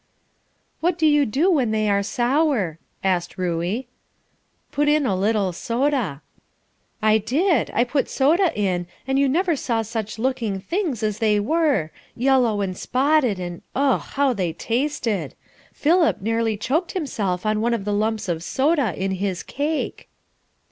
"What do you do when they are sour?" asked Ruey. "Put in a little soda." "I did. I put soda in, and you never saw such looking things as they were, yellow and spotted, and ugh! how they tasted. Philip nearly choked himself on one of the lumps of soda in his cake."